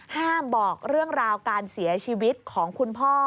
บอกเรื่องราวการเสียชีวิตของคุณพ่อ